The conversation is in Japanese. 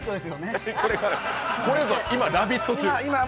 これぞ今、「ラヴィット！」